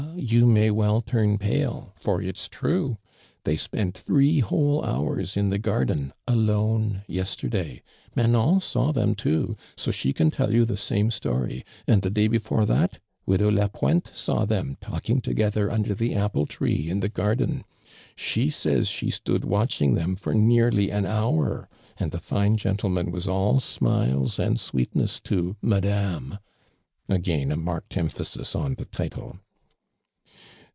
you may well turn pale, for it's true. They spent threa whole hours in the garden, alone, yesterday. Manon saw them too, so she can tell you the same story, and the day bol'ore that, widow Lapointe saw them talking together under the apple tree in the garden. She says she stood watching them for nearly an hour ; and the fine gen tleman was ail smiles and sweetness to Madame,' (again a marked emphasis on the title).